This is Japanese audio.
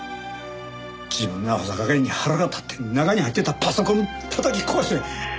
自分のあほさ加減に腹が立って中に入ってたパソコンたたき壊して。